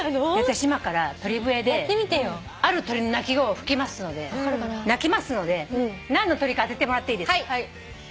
私今から鳥笛である鳥の鳴き声を吹きますので鳴きますので何の鳥か当ててもらっていいですか？